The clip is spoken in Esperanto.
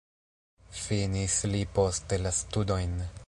Finis li poste la studojn.